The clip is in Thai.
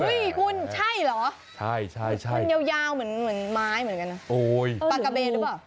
อุ้ยคุณใช่หรอใช่มันยาวเหมือนไม้เหมือนกันนะปากะเบนหรือเปล่า